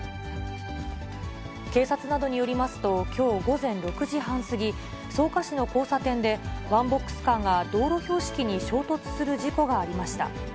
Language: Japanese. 警察などによりますと、きょう午前６時半過ぎ、草加市の交差点でワンボックスカーが道路標識に衝突する事故がありました。